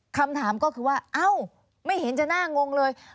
คำถามก็คือว่าเอ้าไม่เห็นจะน่างงเลย